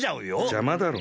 じゃまだろ。